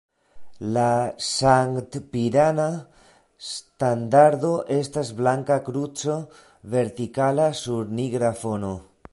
La sankt-pirana standardo estas blanka kruco vertikala sur nigra fono.